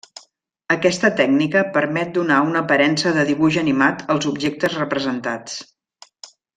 Aquesta tècnica permet donar una aparença de dibuix animat als objectes representats.